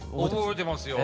覚えてますよ。